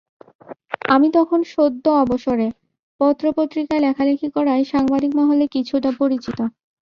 আমি তখন সদ্য অবসরে, পত্রপত্রিকায় লেখালেখি করায় সাংবাদিক মহলে কিছুটা পরিচিত।